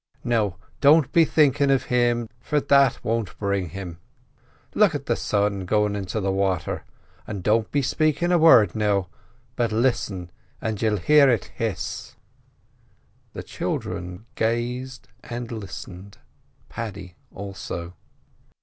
Now don't be thinkin' of him, for that won't bring him. Look at the sun goin' into the wather, and don't be spakin' a word, now, but listen and you'll hear it hiss." The children gazed and listened, Paddy also.